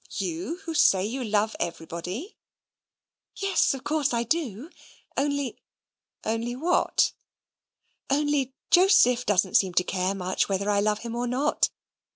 you, who say you love everybody?" "Yes, of course, I do only " "Only what?" "Only Joseph doesn't seem to care much whether I love him or not.